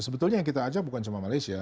sebetulnya yang kita ajak bukan cuma malaysia